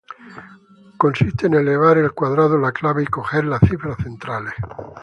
Consiste en elevar al cuadrado la clave y coger las cifras centrales.